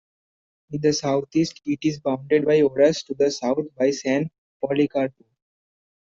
In the southeast, it is bounded by Oras, to the south by San Policarpo.